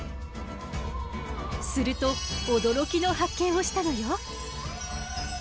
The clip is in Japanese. すると驚きの発見をしたのよ。